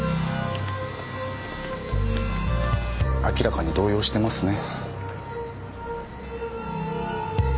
明らかに動揺してますね。